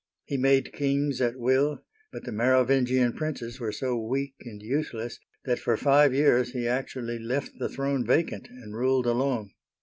He made kings at will, but the Merovingian princes were so weak and useless that for five years he actually left the throne vacant and ruled alone.